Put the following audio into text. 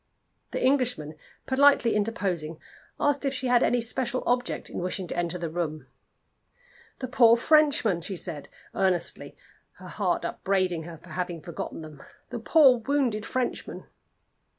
The Englishman politely interposing, asked if she had any special object in wishing to enter the room. "The poor Frenchmen!" she said, earnestly, her heart upbraiding her for having forgotten them. "The poor wounded Frenchmen!"